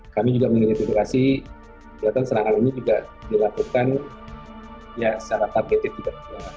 kami juga menentukasi kelihatan serangan ini juga dilakukan secara targetif juga